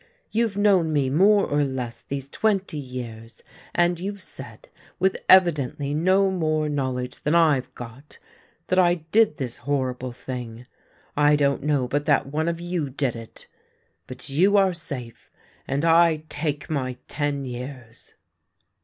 You've known me more or less these twenty years, and you've said, with evidently no more knowledge than I've got, that I did this horrible thing. I don't know but that one of you did it. But you are safe, and I take my ten years